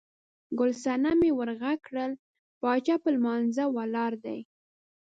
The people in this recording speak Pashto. ګل صنمې ور غږ کړل، باچا په لمانځه ولاړ دی.